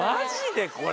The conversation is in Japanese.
これ。